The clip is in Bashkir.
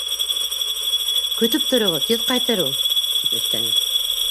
— Көтөп тороғоҙ, тиҙ ҡайтыр ул, — тип өҫтәне.